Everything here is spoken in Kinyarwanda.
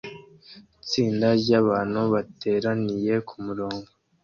Itsinda ryabantu bateraniye kumurongo